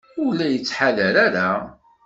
Ur la yettḥadar ara.